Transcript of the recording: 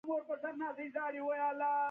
رحمت غرڅنی د پښتون ژغورني غورځنګ د کوټي صدر دی.